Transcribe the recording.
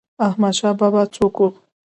احمد شاه بابا څوک و؟